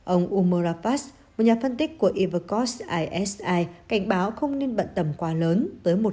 ông umura fass một nhà phân tích của evercost isi cảnh báo không nên bận tầm quá lớn tới một